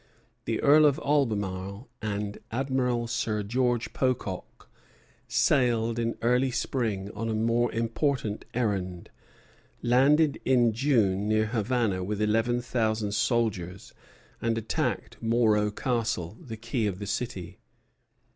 The Earl of Albemarle and Admiral Sir George Pococke sailed in early spring on a more important errand, landed in June near Havana with eleven thousand soldiers, and attacked Moro Castle, the key of the city.